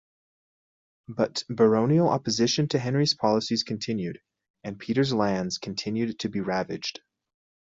But baronial opposition to Henry's policies continued, and Peter's lands continued to be ravaged.